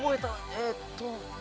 えっと。